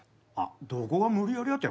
どこが無理やりやて。